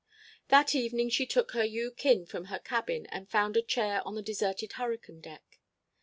That evening she took her Yu kin from her cabin and found a chair on the deserted hurricane deck.